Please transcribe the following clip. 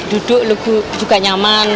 duduk juga nyaman